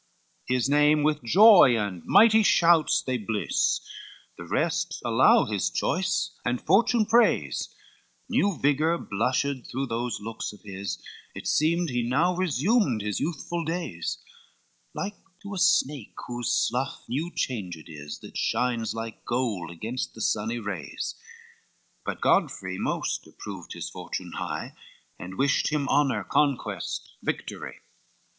LXXI His name with joy and mighty shouts they bless; The rest allow his choice, and fortune praise, New vigor blushed through those looks of his; It seemed he now resumed his youthful days, Like to a snake whose slough new changed is, That shines like gold against the sunny rays: But Godfrey most approved his fortune high, And wished him honor, conquest, victory.